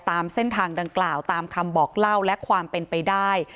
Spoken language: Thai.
ตามเส้นทางดังกล่าวตามคำบอกเล่าและความเป็นไปได้